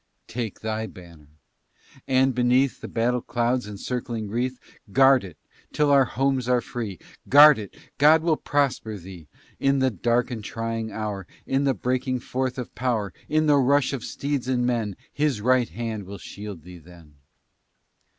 "Take thy banner! and, beneath The battle cloud's encircling wreath, Guard it, till our homes are free! Guard it! God will prosper thee! In the dark and trying hour, In the breaking forth of power, In the rush of steeds and men, His right hand will shield thee then.